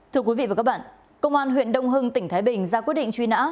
thưa quý vị và các bạn công an huyện đông hưng tỉnh thái bình ra quyết định truy nã